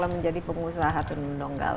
menjadi pengusaha turun temurun